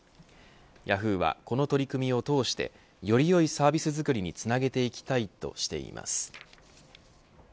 ヤフーはこの取り組みを通してよりよいサービスづくりにつなげていきたいとしています。